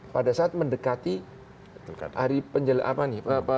pada saat mendekati hari pencoblosan